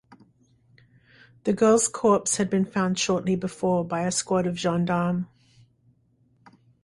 The girl's corpse had been found shortly before by a squad of gendarmes.